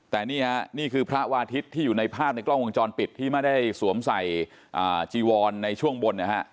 แต่นี่ฮะนี่คือพระวาทิศที่อยู่ในภาพในกล้องวงจรปิดที่ไม่ได้สวมใส่จีวรในช่วงบนนะฮะ